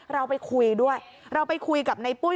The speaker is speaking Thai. เราไปคุยด้วยเราไปคุยกับในปุ้ย